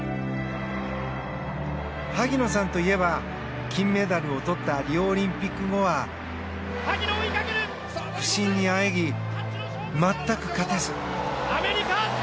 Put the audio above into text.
萩野さんといえば金メダルをとったリオオリンピック後は不振にあえぎ、全く勝てず。